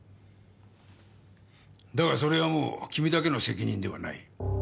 だがそれはもう君だけの責任ではない。